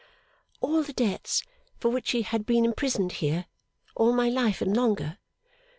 'All the debts for which he had been imprisoned here, all my life and longer?